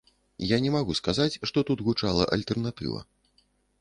Я не магу сказаць, што тут гучала альтэрнатыва.